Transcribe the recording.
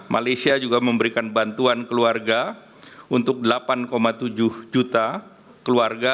malaysia juga memberikan bantuan keluarga untuk delapan tujuh juta keluarga